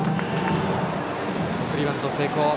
送りバント成功。